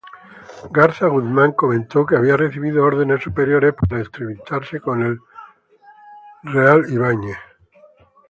Garza Guzmán comentó que había "recibido órdenes superiores para entrevistarse con del Real Ibáñez".